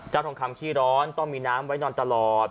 ทองคำขี้ร้อนต้องมีน้ำไว้นอนตลอด